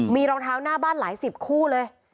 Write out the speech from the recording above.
มีรองเท้าหน้าบ้านหลายสิบคู่เลย